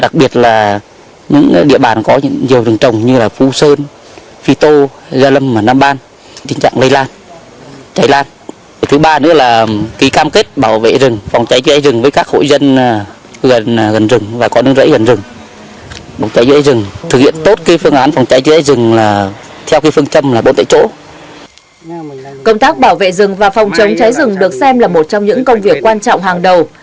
công tác bảo vệ rừng và phòng chống cháy rừng được xem là một trong những công việc quan trọng hàng đầu